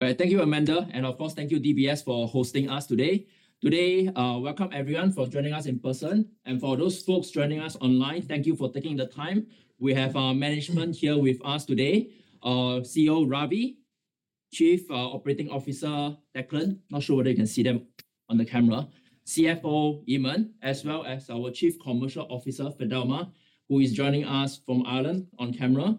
Thank you, Amanda. Of course, thank you DBS for hosting us today. Today, welcome everyone for joining us in person, and for those folks joining us online, thank you for taking the time. We have our management here with us today. Our CEO, Ravi, Chief Operating Officer, Declan. Not sure whether you can see them on the camera. CFO, Eamonn, as well as our Chief Commercial Officer, Fidelma, who is joining us from Ireland on camera.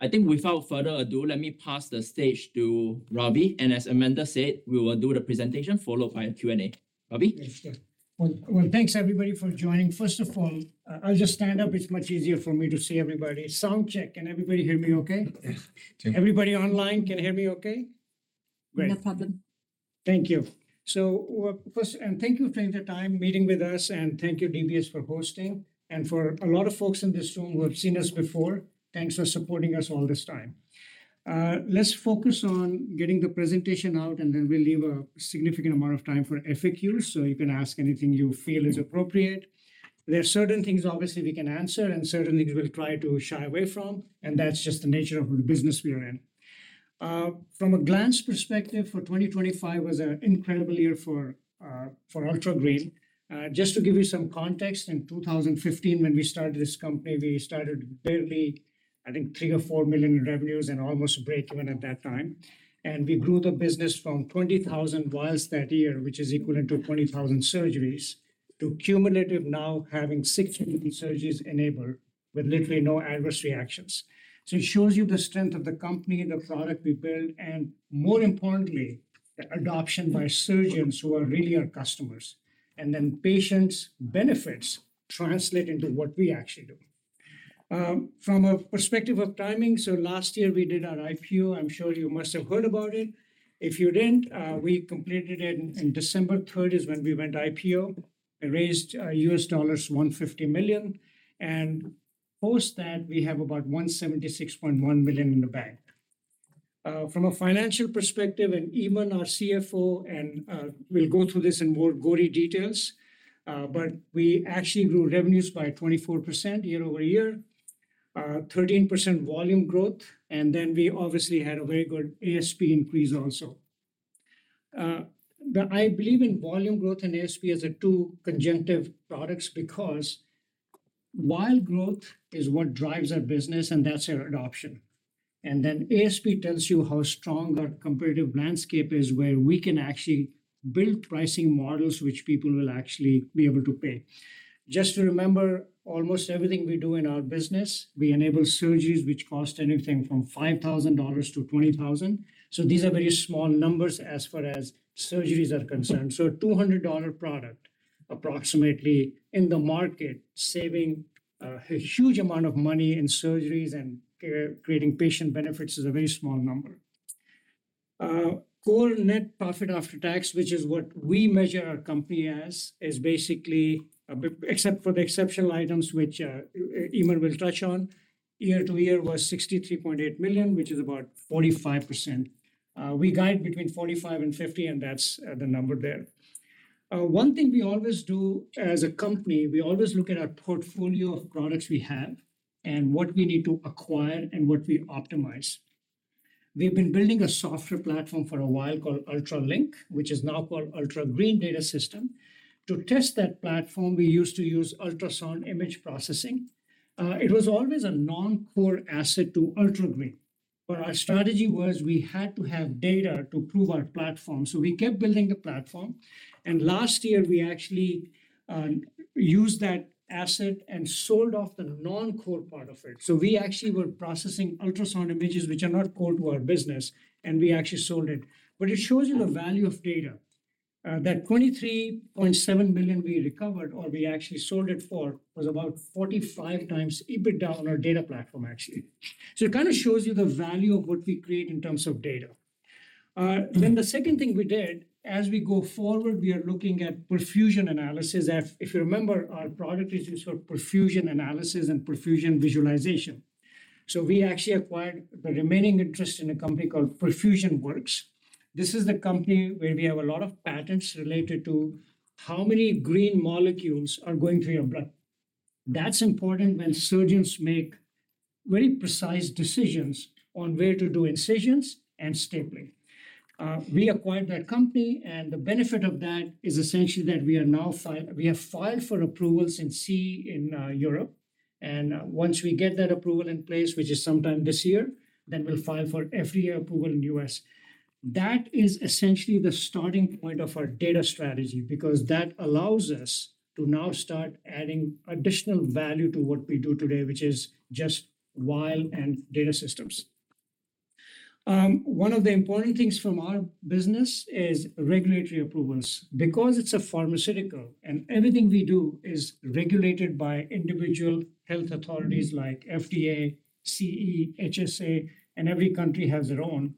I think without further ado, let me pass the stage to Ravi. As Amanda said, we will do the presentation followed by a Q&A. Ravi? Thanks everybody for joining. First of all, I'll just stand up. It's much easier for me to see everybody. Sound check. Can everybody hear me okay? Yeah. Everybody online can hear me okay? Great. No problem. Thank you. Thank you for taking the time meeting with us, and thank you DBS for hosting. For a lot of folks in this room who have seen us before, thanks for supporting us all this time. Let's focus on getting the presentation out, then we'll leave a significant amount of time for FAQs, so you can ask anything you feel is appropriate. There are certain things obviously we can answer, certain things we'll try to shy away from, that's just the nature of the business we are in. From a glance perspective for 2025 was an incredible year for UltraGreen. Just to give you some context, in 2015 when we started this company, we started barely, I think, three or $4 million in revenues and almost breakeven at that time. We grew the business from 20,000 valves that year, which is equivalent to 20,000 surgeries, to cumulative now having 60,000 surgeries enabled with literally no adverse reactions. It shows you the strength of the company and the product we built, more importantly, the adoption by surgeons who are really our customers. Patients' benefits translate into what we actually do. From a perspective of timing, last year we did our IPO. I'm sure you must have heard about it. If you didn't, we completed it in December 3 is when we went IPO and raised $150 million, post that we have about $176.1 million in the bank. From a financial perspective, Eamonn our CFO, we'll go through this in more gory details, we actually grew revenues by 24% year-over-year, 13% volume growth, we obviously had a very good ASP increase also. I believe in volume growth and ASP as a two conjunctive products because while growth is what drives our business, that's our adoption. ASP tells you how strong our competitive landscape is, where we can actually build pricing models which people will actually be able to pay. Just to remember, almost everything we do in our business, we enable surgeries which cost anything from $5,000-$20,000. These are very small numbers as far as surgeries are concerned. A $200 product approximately in the market, saving a huge amount of money in surgeries and care, creating patient benefits is a very small number. Core net profit after tax, which is what we measure our company as, is basically, except for the exceptional items which Eamonn will touch on, year-to-year was $63.8 million, which is about 45%. We guide between 45% and 50%, that's the number there. One thing we always do as a company, we always look at our portfolio of products we have, what we need to acquire, what we optimize. We've been building a software platform for a while called UltraLinQ, which is now called UltraGreen Data System. To test that platform, we used to use ultrasound image processing. It was always a non-core asset to UltraGreen. Our strategy was we had to have data to prove our platform. We kept building the platform, last year we actually used that asset and sold off the non-core part of it. We actually were processing ultrasound images, which are not core to our business, and we actually sold it. It shows you the value of data. That $23.7 million we recovered, or we actually sold it for, was about 45x EBITDA on our data platform, actually. It kind of shows you the value of what we create in terms of data. The second thing we did, as we go forward, we are looking at perfusion analysis. If you remember, our product is used for perfusion analysis and perfusion visualization. We actually acquired the remaining interest in a company called PerfusionWorks. This is the company where we have a lot of patents related to how many green molecules are going to your brain. That's important when surgeons make very precise decisions on where to do incisions and stapling. We acquired that company and the benefit of that is essentially that we have filed for approvals in CE in Europe. Once we get that approval in place, which is sometime this year, we'll file for FDA approval in the U.S. That is essentially the starting point of our data strategy because that allows us to now start adding additional value to what we do today, which is just valve and data systems. One of the important things from our business is regulatory approvals. It's a pharmaceutical and everything we do is regulated by individual health authorities like FDA, CE, HSA, and every country has their own.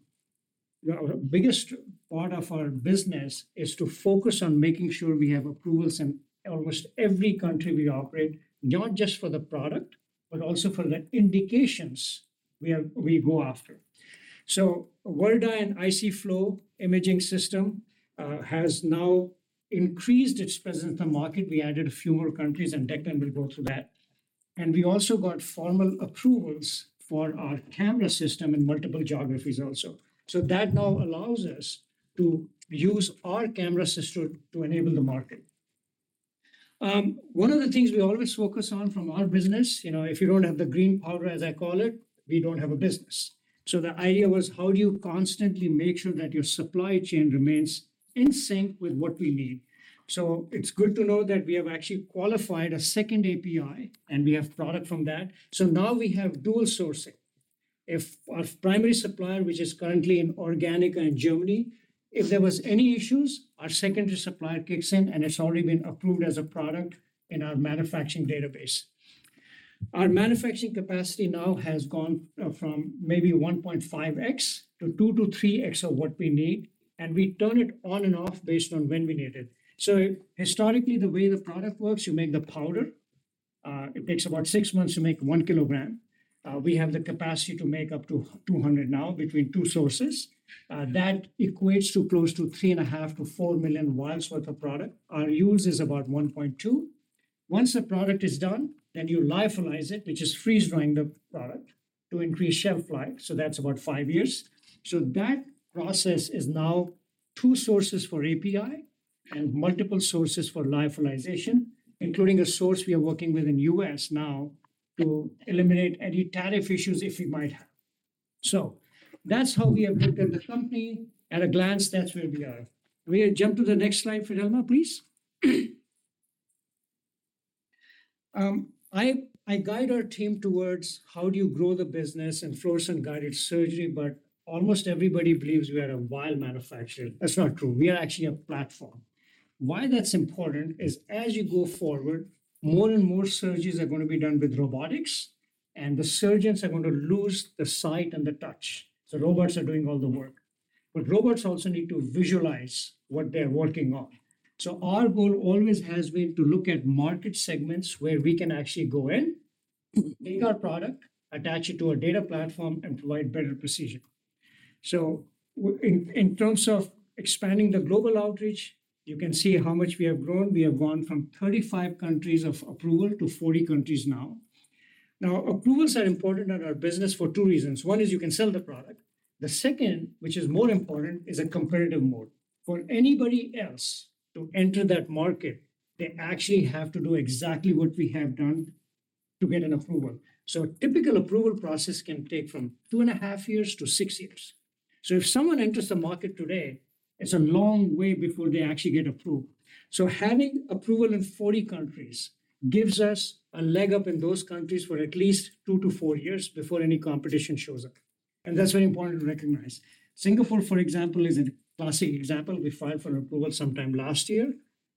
The biggest part of our business is to focus on making sure we have approvals in almost every country we operate, not just for the product, but also for the indications we go after. Viridi and IC-Flow imaging system has now increased its presence in the market. We added a few more countries, and Declan will go through that. We also got formal approvals for our camera system in multiple geographies also. That now allows us to use our camera system to enable the market. One of the things we always focus on from our business, if you don't have the green powder, as I call it, we don't have a business. The idea was how do you constantly make sure that your supply chain remains in sync with what we need? It's good to know that we have actually qualified a second API, and we have product from that. Now we have dual sourcing. If our primary supplier, which is currently in ORGANICA in Germany, if there was any issues, our secondary supplier kicks in, and it's already been approved as a product in our manufacturing database. Our manufacturing capacity now has gone from maybe 1.5x to 2x to 3x of what we need, and we turn it on and off based on when we need it. Historically, the way the product works, you make the powder. It takes about six months to make 1 kg. We have the capacity to make up to 200 now between two sources. That equates to close to 3.5 million-4 million vials worth of product. Our use is about 1.2 million vials. Once the product is done, you lyophilize it, which is freeze-drying the product to increase shelf life. That's about five years. That process is now two sources for API and multiple sources for lyophilization, including a source we are working with in U.S. now to eliminate any tariff issues if we might have. That's how we have looked at the company. At a glance, that's where we are. Can we jump to the next slide, Fidelma, please? I guide our team towards how do you grow the business in Fluorescence-guided surgery, almost everybody believes we are a vial manufacturer. That's not true. We are actually a platform. Why that's important is as you go forward, more and more surgeries are going to be done with robotics, and the surgeons are going to lose the sight and the touch. Robots are doing all the work. Robots also need to visualize what they're working on. Our goal always has been to look at market segments where we can actually go in, take our product, attach it to a data platform, and provide better precision. In terms of expanding the global outreach, you can see how much we have grown. We have gone from 35 countries of approval to 40 countries now. Approvals are important in our business for two reasons. One is you can sell the product. The second, which is more important, is a competitive mode. For anybody else to enter that market, they actually have to do exactly what we have done to get an approval. A typical approval process can take from two and a half years to six years. If someone enters the market today, it's a long way before they actually get approved. Having approval in 40 countries gives us a leg up in those countries for at least two to four years before any competition shows up, and that's very important to recognize. Singapore, for example, is a classic example. We filed for approval sometime last year.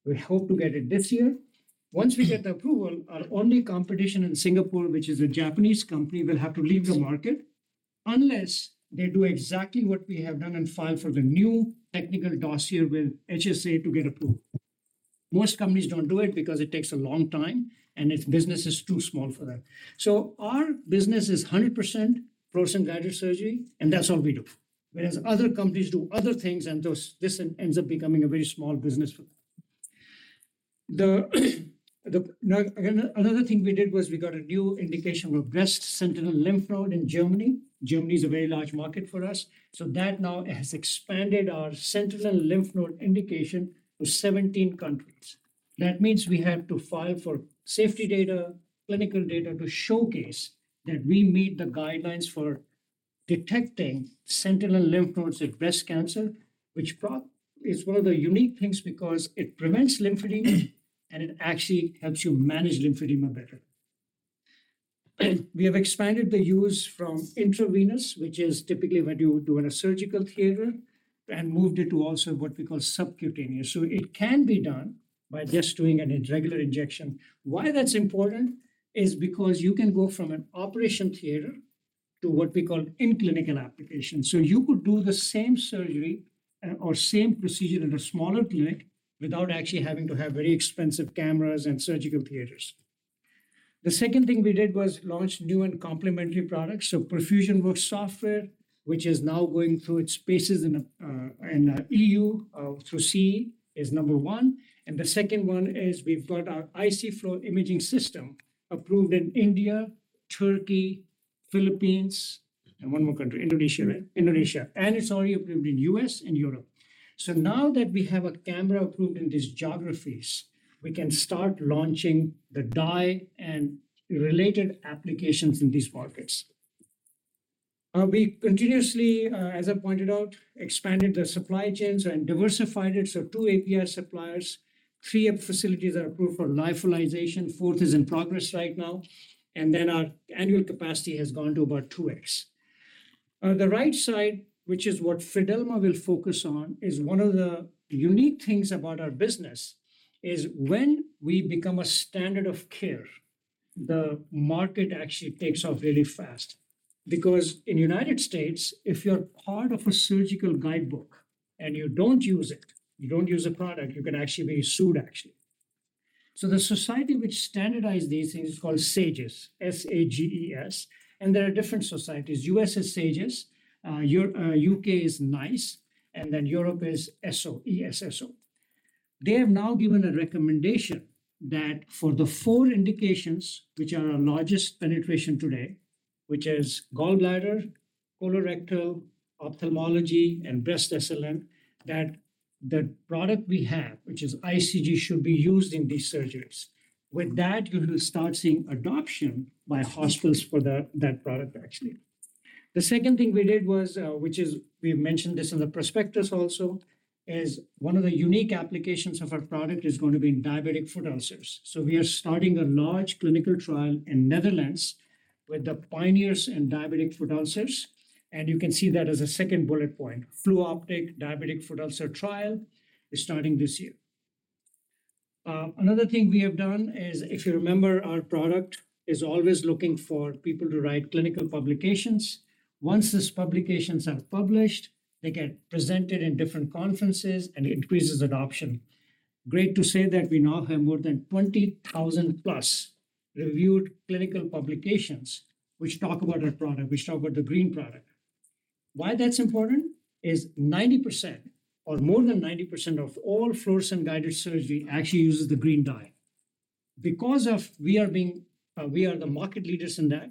We hope to get it this year. Once we get the approval, our only competition in Singapore, which is a Japanese company, will have to leave the market unless they do exactly what we have done and file for the new technical dossier with HSA to get approved. Most companies don't do it because it takes a long time, and its business is too small for them. Our business is 100% Fluorescence-guided surgery, and that's all we do. Whereas other companies do other things, and this ends up becoming a very small business for them. Another thing we did was we got a new indication of breast sentinel lymph node in Germany. Germany is a very large market for us, that now has expanded our sentinel lymph node indication to 17 countries. That means we have to file for safety data, clinical data to showcase that we meet the guidelines for detecting sentinel lymph nodes at breast cancer, which is one of the unique things because it prevents lymphedema, and it actually helps you manage lymphedema better. We have expanded the use from intravenous, which is typically when you do it in a surgical theater, and moved it to also what we call subcutaneous. It can be done by just doing a regular injection. Why that's important is because you can go from an operation theater to what we call in-clinical application. You could do the same surgery or same procedure in a smaller clinic without actually having to have very expensive cameras and surgical theaters. The second thing we did was launch new and complementary products. PerfusionWorks software, which is now going through its phases in EU, through CE, is number 1. The second one is we've got our IC-Flow imaging system approved in India, Turkey, Philippines, and one more country. Indonesia, right? Indonesia. It's already approved in U.S. and Europe. Now that we have a camera approved in these geographies, we can start launching the dye and related applications in these markets. We continuously, as I pointed out, expanded the supply chains and diversified it, so two API suppliers, three facilities are approved for lyophilization. Fourth is in progress right now. Our annual capacity has gone to about 2x. The right side, which is what Fidelma will focus on, is one of the unique things about our business is when we become a standard of care, the market actually takes off really fast. Because in U.S., if you're part of a surgical guidebook and you don't use it, you don't use a product, you can actually be sued, actually. The society which standardized these things is called SAGES, S-A-G-E-S, and there are different societies. U.S. has SAGES, U.K. is NICE, and Europe is ESSO. They have now given a recommendation that for the four indications, which are our largest penetration today, which is gallbladder, colorectal, ophthalmology, and breast SLN, that the product we have, which is ICG, should be used in these surgeries. With that, you will start seeing adoption by hospitals for that product, actually. The second thing we did was, which is, we mentioned this in the prospectus also, is one of the unique applications of our product is going to be in diabetic foot ulcers. We are starting a large clinical trial in Netherlands with the pioneers in diabetic foot ulcers, and you can see that as a second bullet point. Fluoptic diabetic foot ulcer trial is starting this year. Another thing we have done is, if you remember, our product is always looking for people to write clinical publications. Once these publications are published, they get presented in different conferences and increases adoption. Great to say that we now have more than 20,000+ reviewed clinical publications which talk about our product, which talk about the green product. Why that's important is 90% or more than 90% of all fluorescence-guided surgery actually uses the green dye. We are the market leaders in that,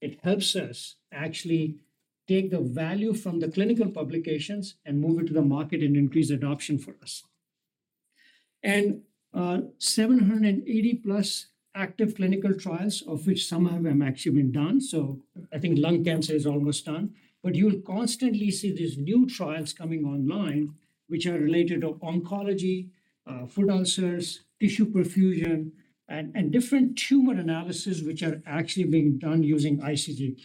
it helps us actually take the value from the clinical publications and move it to the market and increase adoption for us. 780+ active clinical trials, of which some of them have actually been done, so I think lung cancer is almost done. You'll constantly see these new trials coming online, which are related to oncology, foot ulcers, tissue perfusion, and different tumor analysis, which are actually being done using ICG.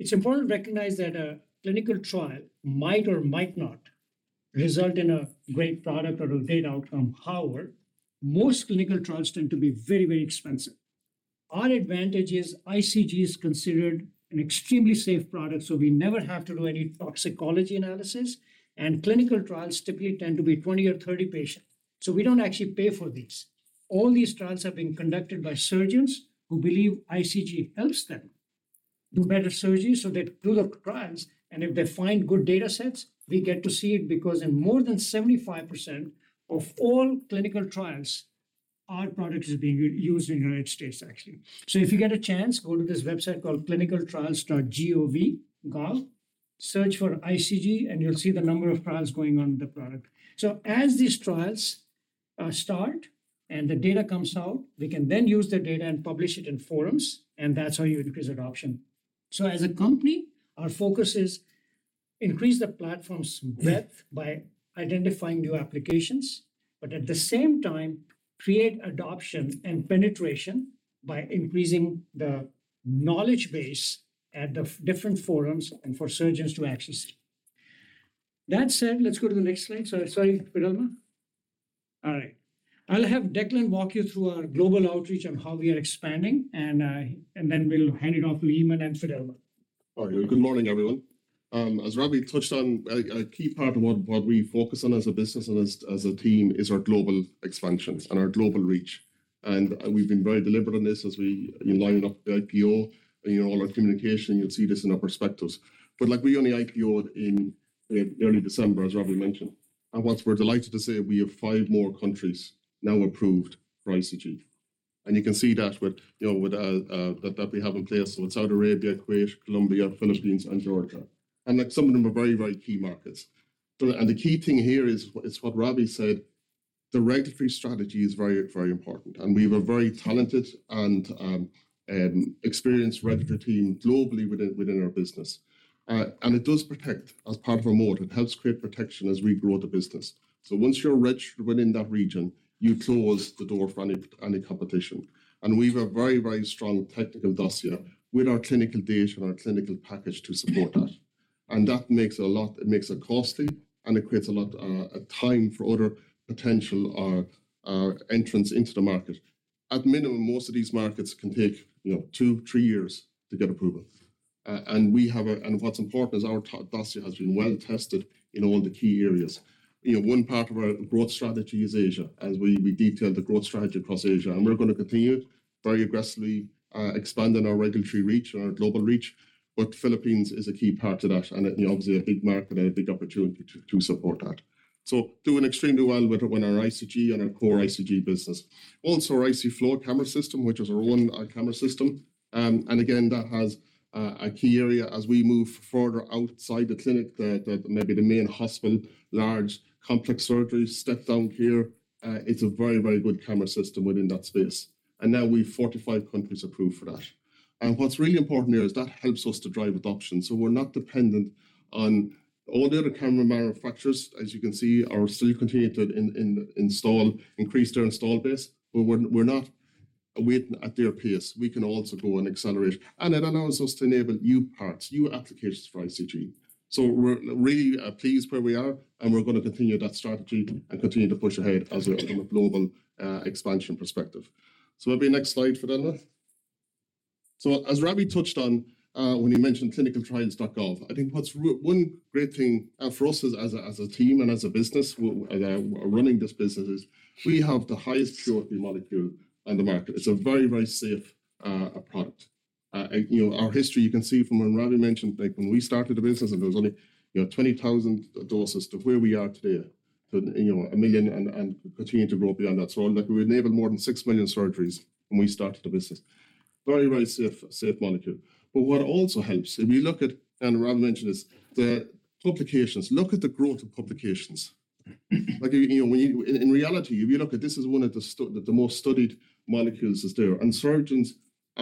It's important to recognize that a clinical trial might or might not result in a great product or a great outcome. However, most clinical trials tend to be very, very expensive. Our advantage is ICG is considered an extremely safe product, so we never have to do any toxicology analysis, and clinical trials typically tend to be 20 or 30 patients. We don't actually pay for these. All these trials have been conducted by surgeons who believe ICG helps them do better surgery. They do the trials, and if they find good data sets, we get to see it because in more than 75% of all clinical trials, our product is being used in the U.S., actually. If you get a chance, go to this website called clinicaltrials.gov, search for ICG, and you'll see the number of trials going on with the product. As these trials start and the data comes out, we can then use the data and publish it in forums, and that's how you increase adoption. As a company, our focus is increase the platform's breadth by identifying new applications, but at the same time, create adoption and penetration by increasing the knowledge base at the different forums and for surgeons to access it. That said, let's go to the next slide. Sorry, Fidelma. All right. I'll have Declan walk you through our global outreach and how we are expanding. Then we'll hand it off to Eamon and Fidelma. All right. Good morning, everyone. As Ravi touched on, a key part of what we focus on as a business and as a team is our global expansions and our global reach. We've been very deliberate on this as we lined up the IPO. In all our communication, you'll see this in our prospectus. We only IPO'd in early December, as Ravi mentioned. Once, we're delighted to say we have five more countries now approved for ICG. You can see that with that we have in place. It's Saudi Arabia, Kuwait, Colombia, Philippines, and Georgia. Some of them are very key markets. The key thing here is what Ravi said, the regulatory strategy is very important, and we have a very talented and experienced regulatory team globally within our business. It does protect as part of our moat. It helps create protection as we grow the business. Once you're registered within that region, you close the door for any competition. We have a very strong technical dossier with our clinical data and our clinical package to support that. That makes it costly, and it creates a lot of time for other potential entrants into the market. At minimum, most of these markets can take two, three years to get approval. What's important is our dossier has been well-tested in all the key areas. One part of our growth strategy is Asia, as we detailed the growth strategy across Asia. We're going to continue very aggressively expanding our regulatory reach and our global reach, Philippines is a key part of that and obviously a big market and a big opportunity to support that. Doing extremely well with our ICG and our core ICG business. Also, our IC Flow Camera system, which is our one camera system. Again, that has a key area as we move further outside the clinic, maybe the main hospital, large complex surgeries, step-down care. It's a very good camera system within that space. Now we've 45 countries approved for that. What's really important here is that helps us to drive adoption. We're not dependent on all the other camera manufacturers, as you can see, are still continuing to increase their install base, but we're not waiting at their pace. We can also go and accelerate. It allows us to enable new parts, new applications for ICG. We're really pleased where we are, and we're going to continue that strategy and continue to push ahead as a global expansion perspective. Maybe next slide, Fidelma. As Ravi touched on when he mentioned clinicaltrials.gov, I think one great thing for us as a team and as a business, running this business is we have the highest purity molecule on the market. It's a very safe product. Our history, you can see from when Ravi mentioned, when we started the business and there was only 20,000 doses to where we are today, to 1 million and continuing to grow beyond that. We enabled more than 6 million surgeries when we started the business. Very, very safe molecule. What also helps, if we look at, and Ravi mentioned this, the publications. Look at the growth of publications. In reality, if you look at this is one of the most studied molecules that's there, and surgeons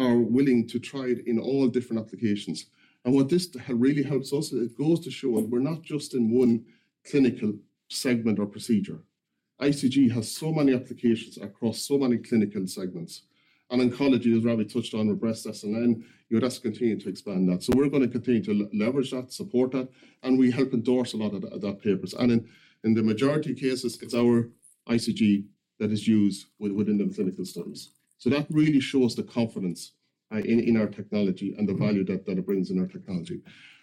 are willing to try it in all different applications. What this really helps us, it goes to show we're not just in one clinical segment or procedure. ICG has so many applications across so many clinical segments, and oncology, as Ravi touched on with breast SLN, that's continuing to expand that. We're going to continue to leverage that, support that, and we help endorse a lot of that papers. In the majority of cases, it's our ICG that is used within the clinical studies. That really shows the confidence in our technology and the value that it brings in our technology.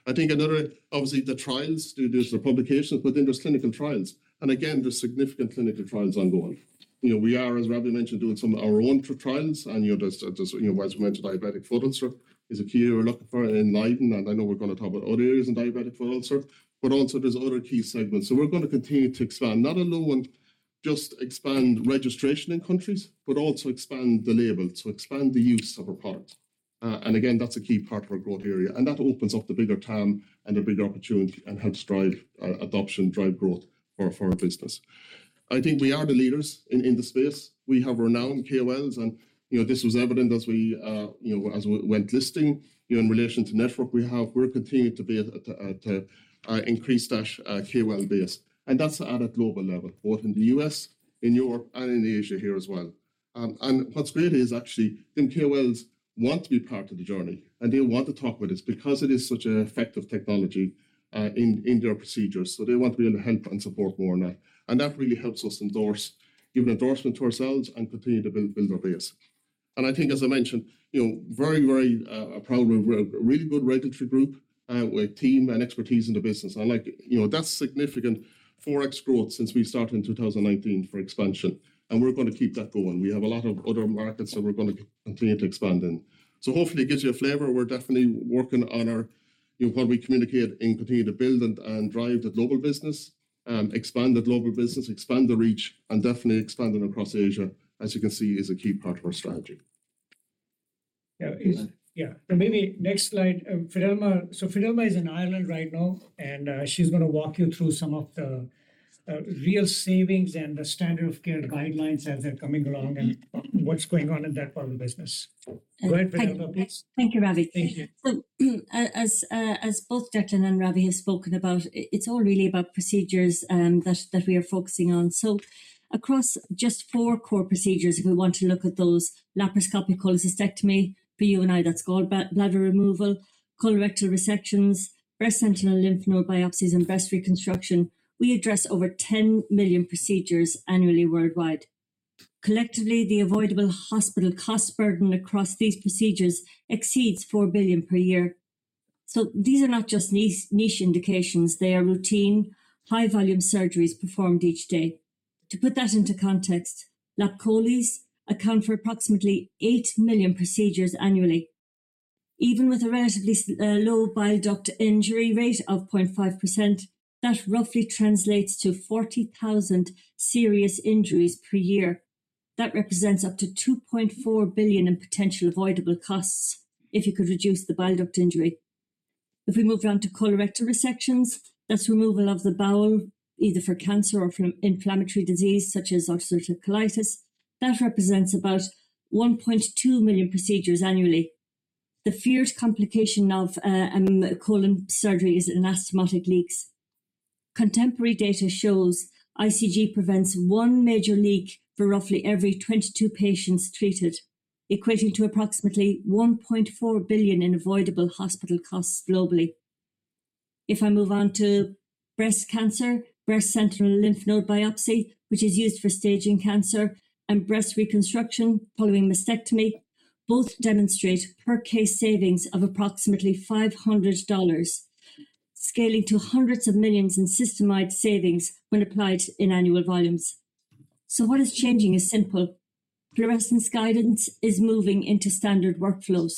I think another, obviously the trials, there's the publications, but then there's clinical trials, and again, there's significant clinical trials ongoing. We are, as Ravi mentioned, doing some of our own trials, and as we mentioned, diabetic foot ulcer is a key area we're looking for in ENLIGHTEN, and I know we're going to talk about other areas in diabetic foot ulcer. Also, there's other key segments. We're going to continue to expand, not alone, just expand registration in countries, but also expand the label, so expand the use of our product. Again, that's a key part of our growth area, and that opens up the bigger TAM and the bigger opportunity and helps drive adoption, drive growth for our business. I think we are the leaders in the space. We have renowned KOLs, and this was evident as we went listing in relation to network we have. We're continuing to increase our KOL base, and that's at a global level, both in the U.S., in Europe, and in Asia here as well. What's great is actually, I think KOLs want to be part of the journey, and they want to talk about this because it is such an effective technology in their procedures. They want to be able to help and support more now. That really helps us give an endorsement to ourselves and continue to build our base. I think, as I mentioned, very, very proud. We've a really good regulatory group, team, and expertise in the business. That's significant 4x growth since we started in 2019 for expansion. We're going to keep that going. We have a lot of other markets that we're going to continue to expand in. Hopefully it gives you a flavor. We're definitely working on what we communicate and continue to build and drive the global business, expand the global business, expand the reach, and definitely expanding across Asia, as you can see, is a key part of our strategy. Yeah. Maybe next slide. Fidelma is in Ireland right now, and she's going to walk you through some of the real savings and the standard of care guidelines as they're coming along and what's going on in that part of the business. Go ahead, Fidelma, please. Thank you, Ravi. Thank you. As both Declan and Ravi have spoken about, it is all really about procedures that we are focusing on. Across just four core procedures, if we want to look at those, laparoscopic cholecystectomy, for you and I, that is gallbladder removal, colorectal resections, breast sentinel lymph node biopsies, and breast reconstruction, we address over 10 million procedures annually worldwide. Collectively, the avoidable hospital cost burden across these procedures exceeds $4 billion per year. These are not just niche indications. They are routine, high-volume surgeries performed each day. To put that into context, lap choles account for approximately 8 million procedures annually. Even with a relatively low bile duct injury rate of 0.5%, that roughly translates to 40,000 serious injuries per year. That represents up to $2.4 billion in potential avoidable costs if you could reduce the bile duct injury. If we move on to colorectal resections, that is removal of the bowel, either for cancer or for an inflammatory disease such as ulcerative colitis. That represents about 1.2 million procedures annually. The feared complication of a colon surgery is anastomotic leaks. Contemporary data shows ICG prevents one major leak for roughly every 22 patients treated, equating to approximately $1.4 billion in avoidable hospital costs globally. If I move on to breast cancer, breast sentinel lymph node biopsy, which is used for staging cancer, and breast reconstruction following mastectomy, both demonstrate per case savings of approximately $500, scaling to hundreds of millions in system-wide savings when applied in annual volumes. What is changing is simple. Fluorescence guidance is moving into standard workflows.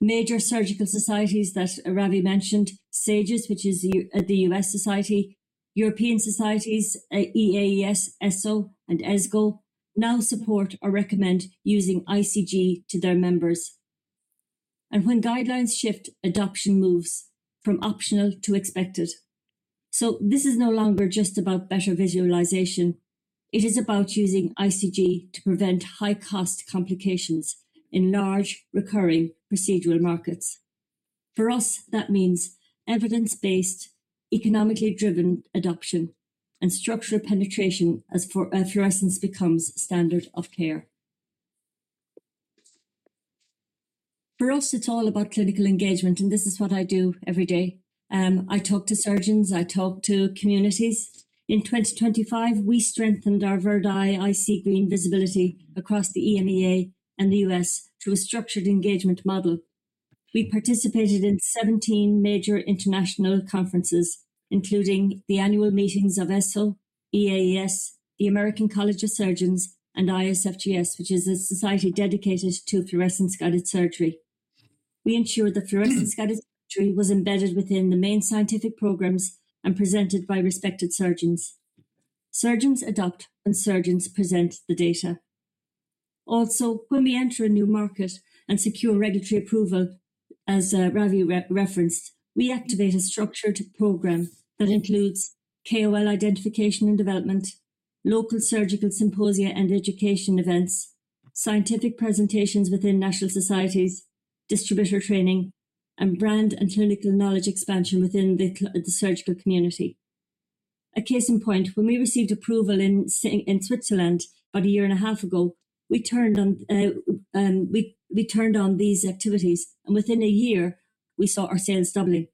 Major surgical societies that Ravi mentioned, SAGES, which is the U.S. society, European societies, EAES, ESSO, and ESGO, now support or recommend using ICG to their members. When guidelines shift, adoption moves from optional to expected. This is no longer just about better visualization. It is about using ICG to prevent high-cost complications in large, recurring procedural markets. For us, that means evidence-based, economically driven adoption, and structural penetration as fluorescence becomes standard of care. For us, it is all about clinical engagement, and this is what I do every day. I talk to surgeons. I talk to communities. In 2025, we strengthened our Viridi green visibility across the EMEA and the U.S. through a structured engagement model. We participated in 17 major international conferences, including the annual meetings of ESSO, EAES, the American College of Surgeons, and ISFGS, which is a society dedicated to fluorescence-guided surgery. We ensured that fluorescence-guided surgery was embedded within the main scientific programs and presented by respected surgeons. Surgeons adopt and surgeons present the data. When we enter a new market and secure regulatory approval, as Ravi referenced, we activate a structured program that includes KOL identification and development, local surgical symposia and education events, scientific presentations within national societies, distributor training, and brand and clinical knowledge expansion within the surgical community. A case in point, when we received approval in Switzerland about a year and a half ago, we turned on these activities, and within a year, we saw our sales doubling.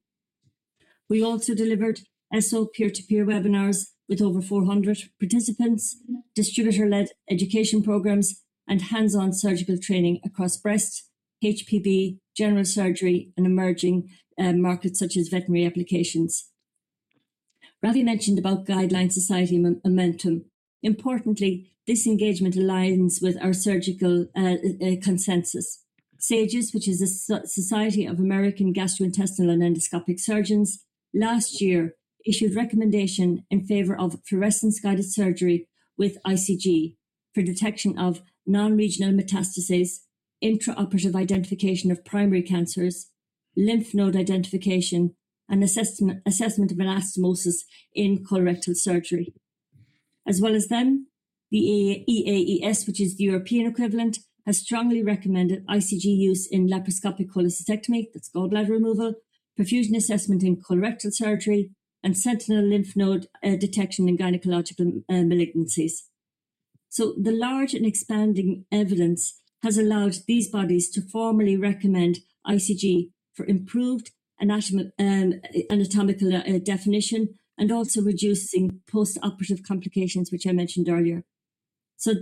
We also delivered ESSO peer-to-peer webinars with over 400 participants, distributor-led education programs, and hands-on surgical training across breast, HPB, general surgery, and emerging markets such as veterinary applications. Ravi mentioned about guideline society momentum. This engagement aligns with our surgical consensus. SAGES, which is the Society of American Gastrointestinal and Endoscopic Surgeons, last year issued recommendation in favor of fluorescence-guided surgery with ICG for detection of non-regional metastases, intraoperative identification of primary cancers, lymph node identification, and assessment of anastomosis in colorectal surgery. The EAES, which is the European equivalent, has strongly recommended ICG use in laparoscopic cholecystectomy, that's gallbladder removal, perfusion assessment in colorectal surgery, and sentinel lymph node detection in gynecological malignancies. The large and expanding evidence has allowed these bodies to formally recommend ICG for improved anatomical definition and also reducing postoperative complications, which I mentioned earlier.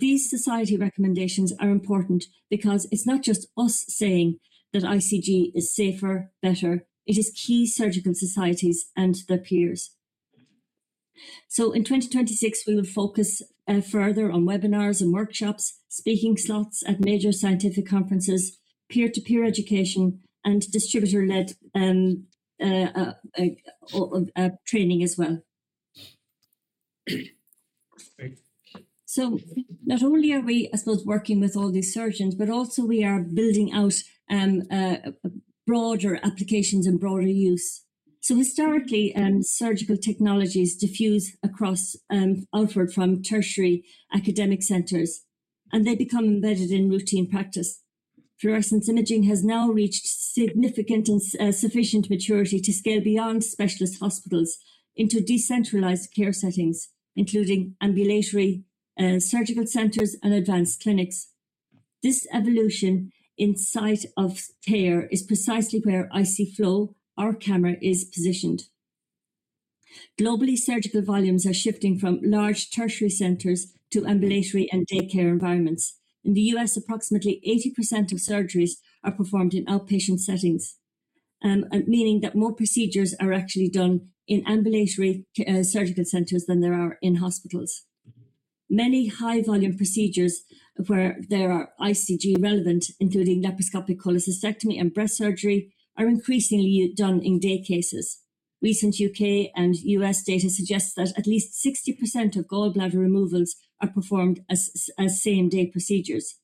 These society recommendations are important because it's not just us saying that ICG is safer, better. It is key surgical societies and their peers. In 2026, we will focus further on webinars and workshops, speaking slots at major scientific conferences, peer-to-peer education, and distributor-led training as well. Great. Not only are we, I suppose, working with all these surgeons, but also we are building out broader applications and broader use. Historically, surgical technologies diffuse across outward from tertiary academic centers, and they become embedded in routine practice. Fluorescence imaging has now reached significant and sufficient maturity to scale beyond specialist hospitals into decentralized care settings, including ambulatory surgical centers and advanced clinics. This evolution in site of care is precisely where IC Flow, our camera, is positioned. Globally, surgical volumes are shifting from large tertiary centers to ambulatory and daycare environments. In the U.S., approximately 80% of surgeries are performed in outpatient settings, meaning that more procedures are actually done in ambulatory surgical centers than there are in hospitals. Many high-volume procedures where there are ICG relevant, including laparoscopic cholecystectomy and breast surgery, are increasingly done in day cases. Recent U.K. and U.S. data suggests that at least 60% of gallbladder removals are performed as same-day procedures.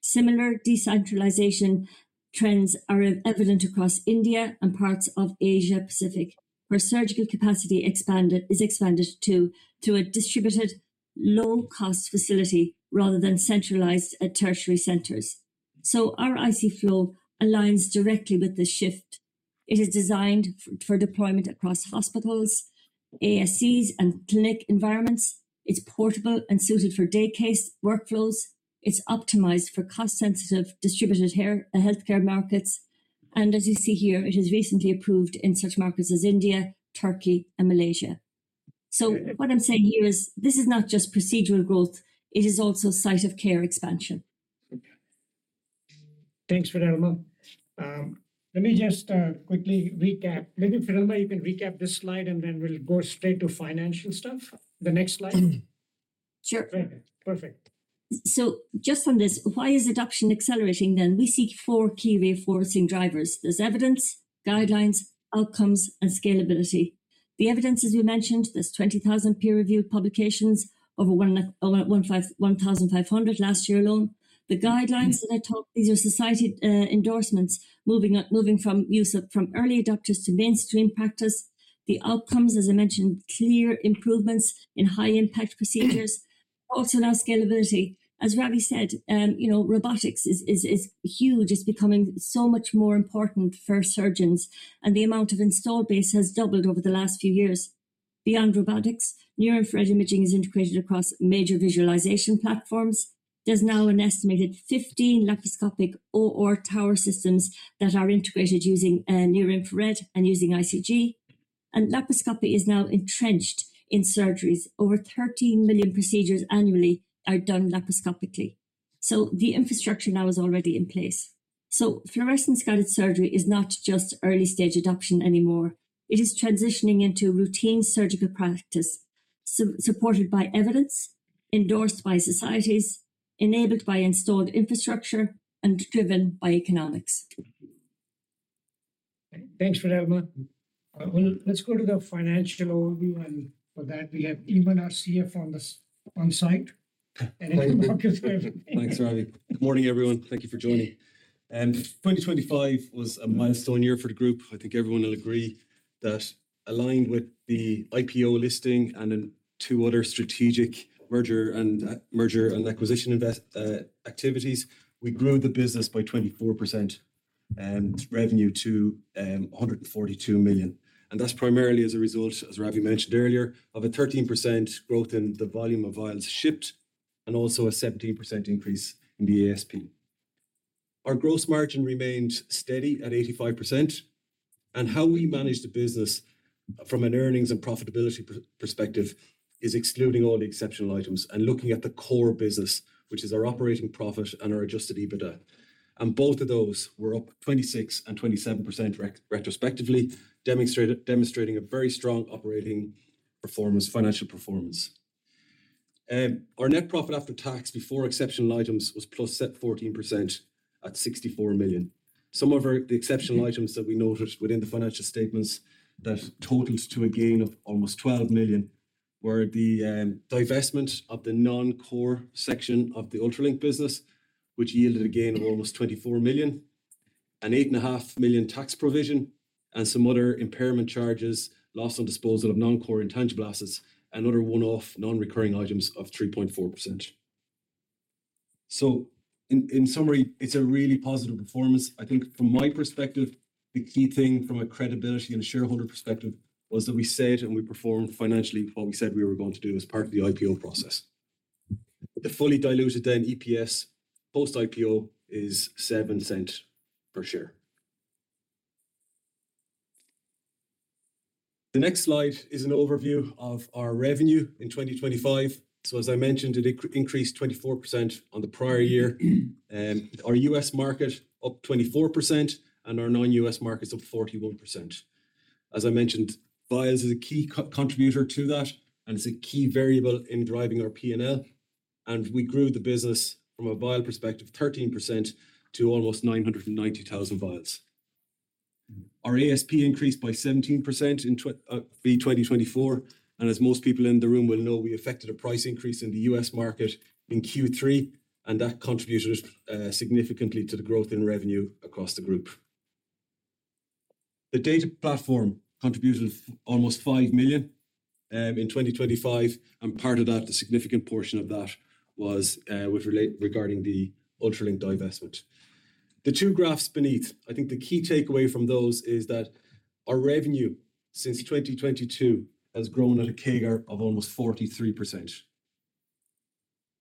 Similar decentralization trends are evident across India and parts of Asia-Pacific, where surgical capacity is expanded to a distributed low-cost facility rather than centralized at tertiary centers. Our IC-Flow aligns directly with this shift. It is designed for deployment across hospitals, ASCs, and clinic environments. It's portable and suited for day case workflows. It's optimized for cost-sensitive distributed healthcare markets. As you see here, it is recently approved in such markets as India, Turkey, and Malaysia. What I'm saying here is this is not just procedural growth, it is also site of care expansion. Okay. Thanks, Fidelma. Let me just quickly recap. Maybe, Fidelma, you can recap this slide, then we'll go straight to financial stuff. The next slide. Sure. Perfect. Just on this, why is adoption accelerating then? We see four key reinforcing drivers. There's evidence, guidelines, outcomes, and scalability. The evidence, as we mentioned, there's 20,000 peer-reviewed publications, over 1,500 last year alone. The guidelines that I talked, these are society endorsements, moving from use from early adopters to mainstream practice. The outcomes, as I mentioned, clear improvements in high impact procedures. Also now scalability. As Ravi said, robotics is huge. It's becoming so much more important for surgeons, and the amount of install base has doubled over the last few years. Beyond robotics, near-infrared imaging is integrated across major visualization platforms. There's now an estimated 15 laparoscopic OR tower systems that are integrated using near-infrared and using ICG, and laparoscopy is now entrenched in surgeries. Over 13 million procedures annually are done laparoscopically. The infrastructure now is already in place. Fluorescence-guided surgery is not just early-stage adoption anymore. It is transitioning into routine surgical practice, supported by evidence, endorsed by societies, enabled by installed infrastructure, and driven by economics. Thanks Fidelma. Let's go to the financial overview. For that, we have Eamon, our CFO, on site. Thanks, Ravi. Good morning, everyone. Thank you for joining. 2025 was a milestone year for the group. I think everyone will agree that aligned with the IPO listing, then two other strategic merger and acquisition activities, we grew the business by 24%, revenue to $142 million. That's primarily as a result, as Ravi mentioned earlier, of a 13% growth in the volume of vials shipped, also a 17% increase in the ASP. Our gross margin remained steady at 85%. How we manage the business from an earnings and profitability perspective is excluding all the exceptional items and looking at the core business, which is our operating profit and our adjusted EBITDA. Both of those were up 26% and 27% retrospectively, demonstrating a very strong operating financial performance. Our net profit after tax, before exceptional items, was +14% at $64 million. Some of the exceptional items that we noted within the financial statements that totals to a gain of almost $12 million were the divestment of the non-core section of the UltraLinQ business, which yielded a gain of almost $24 million, an eight and a half million tax provision, some other impairment charges, loss on disposal of non-core intangible assets, and other one-off non-recurring items of 3.4%. In summary, it's a really positive performance. I think from my perspective, the key thing from a credibility and shareholder perspective was that we said and we performed financially what we said we were going to do as part of the IPO process. The fully diluted EPS post-IPO is $0.07 per share. The next slide is an overview of our revenue in 2025. As I mentioned, it increased 24% on the prior year, our U.S. market up 24%, our non-U.S. markets up 41%. As I mentioned, vials is a key contributor to that and is a key variable in driving our P&L. We grew the business from a vial perspective 13% to almost 990,000 vials. Our ASP increased by 17% in 2024. As most people in the room will know, we effected a price increase in the U.S. market in Q3, that contributed significantly to the growth in revenue across the group. The data platform contributed almost $5 million in 2025. Part of that, a significant portion of that, was regarding the UltraLinQ divestment. The two graphs beneath, I think the key takeaway from those is that our revenue since 2022 has grown at a CAGR of almost 43%.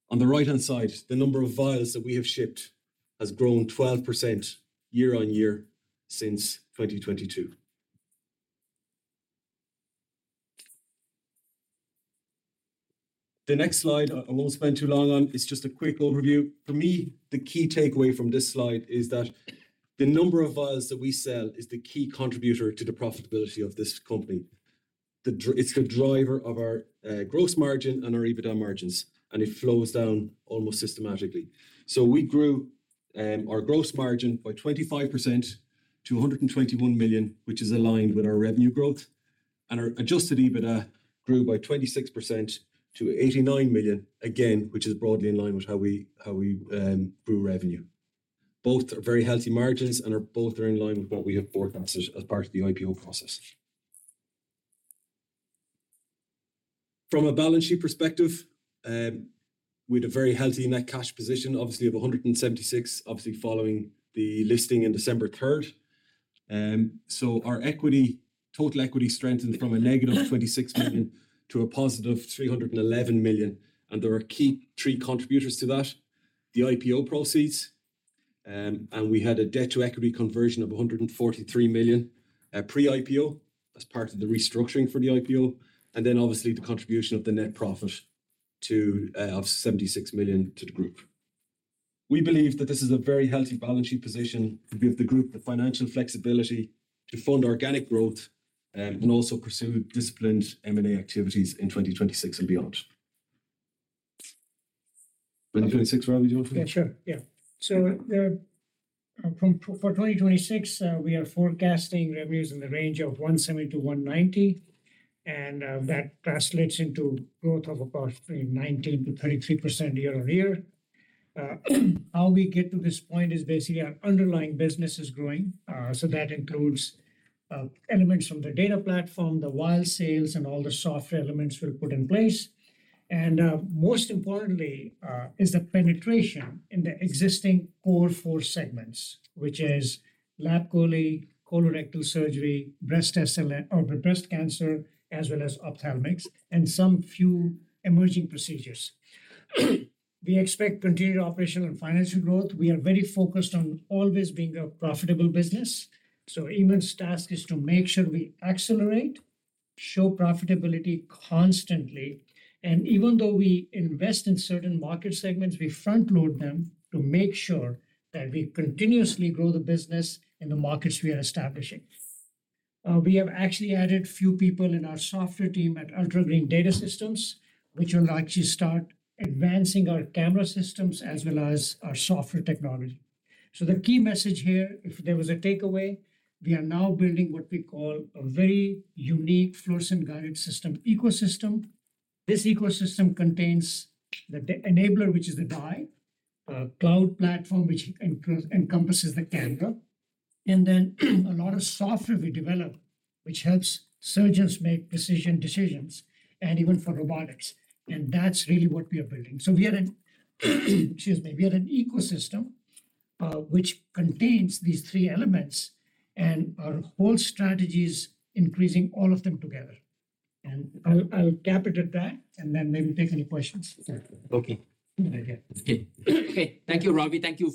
On the right-hand side, the number of vials that we have shipped has grown 12% year-over-year since 2022. The next slide I won't spend too long on. It's just a quick overview. For me, the key takeaway from this slide is that the number of vials that we sell is the key contributor to the profitability of this company. It's the driver of our gross margin and our EBITDA margins, and it flows down almost systematically. We grew our gross margin by 25% to $121 million, which is aligned with our revenue growth. Our adjusted EBITDA grew by 26% to $89 million, again, which is broadly in line with how we grew revenue. Both are very healthy margins, and both are in line with what we have forecasted as part of the IPO process. From a balance sheet perspective, we had a very healthy net cash position, obviously of $176, obviously following the listing in December 3. Our total equity strengthened from a -$26 million to a +$311 million, and there are key three contributors to that. The IPO proceeds, and we had a debt-to-equity conversion of $143 million pre-IPO as part of the restructuring for the IPO, and then obviously the contribution of the net profit of $76 million to the group. We believe that this is a very healthy balance sheet position to give the group the financial flexibility to fund organic growth, and also pursue disciplined M&A activities in 2026 and beyond. 2026, Ravi, do you want to. Sure. For 2026, we are forecasting revenues in the range of $170-$190, and that translates into growth of about between 19%-33% year-over-year. How we get to this point is basically our underlying business is growing. That includes elements from the data platform, the vial sales, and all the software elements we put in place. And most importantly is the penetration in the existing core four segments, which is lap chole, colorectal surgery, breast cancer, as well as ophthalmics, and some few emerging procedures. We expect continued operational and financial growth. We are very focused on always being a profitable business. So Eamonn's task is to make sure we accelerate, show profitability constantly, and even though we invest in certain market segments, we front-load them to make sure that we continuously grow the business in the markets we are establishing. We have actually added a few people in our software team at UltraGreen Data System, which will actually start advancing our camera systems as well as our software technology. The key message here, if there was a takeaway, we are now building what we call a very unique fluorescence-guided system ecosystem. This ecosystem contains the enabler, which is the dye, a cloud platform, which encompasses the camera, and then a lot of software we develop, which helps surgeons make decisions, and even for robotics. That's really what we are building. Excuse me. We are an ecosystem, which contains these three elements, and our whole strategy is increasing all of them together. I'll cap it at that and then maybe take any questions. Okay. Thank you. Okay. Thank you, Ravi. Thank you.